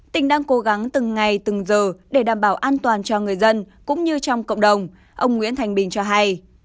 tỉnh đang cố gắng từng ngày từng giờ để đảm bảo an toàn cho người dân cũng như trong cộng đồng ông nguyễn thành bình cho hay